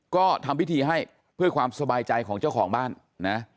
ก็ทำพิธีให้เพื่อความสบายใจของเจ้าของบ้านนะ